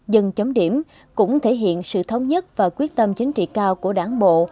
dân chấm điểm cũng thể hiện sự thống nhất và quyết tâm chính trị cao của đảng bộ